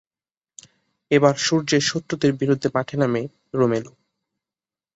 এবার সূর্যের শত্রুদের বিরুদ্ধে মাঠে নামে রোমেলও।